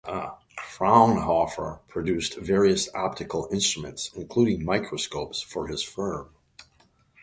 Fraunhofer produced various optical instruments including microscopes for his firm.